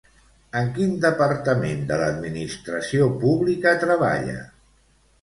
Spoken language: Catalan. En quin departament de l'administració pública treballa?